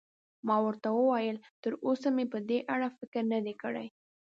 ما ورته وویل: تراوسه مې په دې اړه فکر نه دی کړی.